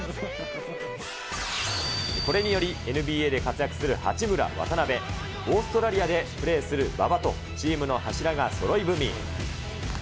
これにより、ＮＢＡで活躍する八村、渡邊、オーストラリアでプレーする馬場と、チームの柱がそろい踏み。